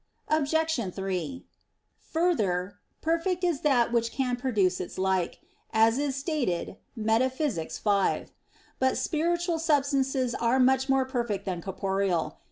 Obj. 3: Further, "perfect is that which can produce its like," as is stated Metaph. v. But spiritual substances are much more perfect than corporeal.